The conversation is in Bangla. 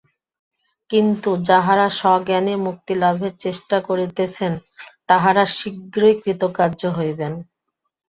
কিন্তু যাঁহারা সজ্ঞানে মুক্তিলাভের চেষ্টা করিতেছেন, তাঁহারা শীঘ্রই কৃতকার্য হইবেন।